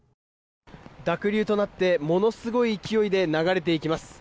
濁流となってものすごい勢いで流れていきます。